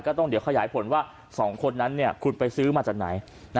ต้องเดี๋ยวขยายผลว่า๒คนนั้นคุณไปซื้อมาจากไหน